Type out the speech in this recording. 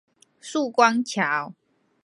曙光橋